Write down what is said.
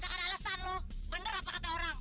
tau suruh gatel lu ya